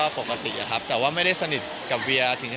ปกติครับแต่ว่าไม่ได้สนิทกับเวียถึง